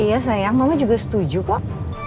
iya sayang mama juga setuju kok